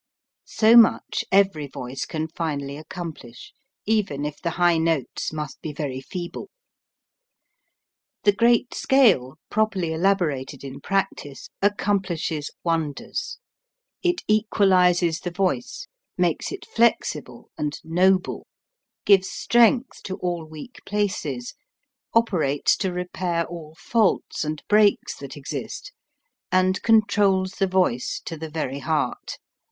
So much every voice can finally accomplish, even if the high notes must be very feeble. The great scale, properly elaborated in practice, accomplishes wonders : it equalizes the voice, makes it flexible and noble, gives strength to all weak places, operates to repair all faults and breaks that exist, and controls the voice to the very heart.